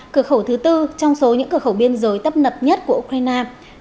cửa khẩu thứ tư trong số những cửa khẩu biên giới tấp nập nhất của ukraine